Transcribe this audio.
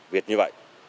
việc như vậy